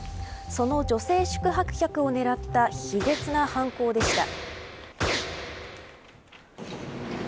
その女性宿泊客を狙った卑劣な犯行でした。